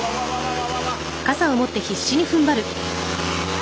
あ！